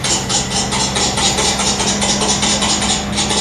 სოფელი ტბეთი ექვემდებარება საქართველოს საპატრიარქოს ნიკორწმინდის ეპარქიას.